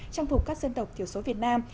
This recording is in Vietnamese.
trang phục các dân tộc thiểu số việt nam